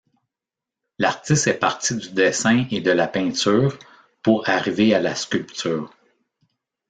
L’artiste est parti du dessin et de la peinture pour arriver à la sculpture.